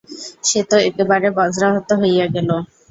সে তো একেবারে বজ্রাহত হইয়া গেল।